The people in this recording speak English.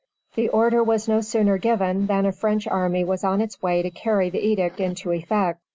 The order was no sooner given than a French army was on its way to carry the edict into effect.